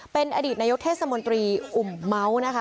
เป็นอดีตนายกเทศมนตรีอุ่มเมาส์นะคะ